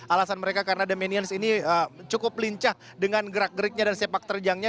alasan mereka karena the minions ini cukup lincah dengan gerak geriknya dan sepak terjangnya